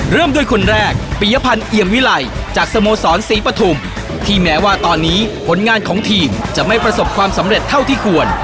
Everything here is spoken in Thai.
เริ่มด้วยคนแรกปียพันธ์เอียมวิไลจากสโมสรศรีปฐุมที่แม้ว่าตอนนี้ผลงานของทีมจะไม่ประสบความสำเร็จเท่าที่ควร